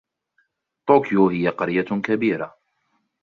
طوكيو هي قرية كبيرة.